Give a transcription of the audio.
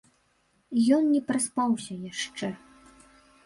Ён не праспаўся яшчэ.